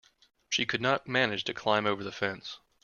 She could not manage to climb over the fence.